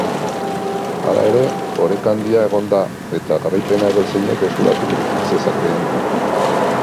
Hala ere, oreka handia egon da eta garaipena edozeinek eskuratu zezakeen.